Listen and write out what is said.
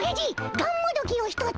がんもどきを１つ。